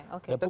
nah itu tetap